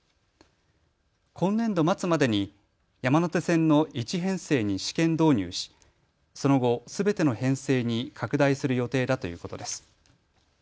今年度末までに山手線の１編成に試験導入しその後、すべての編成に拡大する予定だということです。